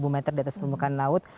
dua ribu meter di atas permukaan laut